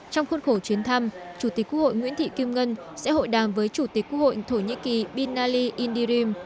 trong khuôn khổ chuyến thăm chủ tịch quốc hội nguyễn thị kim ngân sẽ hội đàm với chủ tịch quốc hội thổ nhĩ kỳ binali indirim